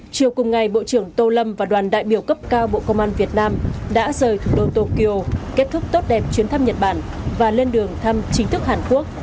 chiều cùng ngày bộ trưởng tô lâm và đoàn đại biểu cấp cao bộ công an việt nam đã rời thủ đô tokyo kết thúc tốt đẹp chuyến thăm nhật bản và lên đường thăm chính thức hàn quốc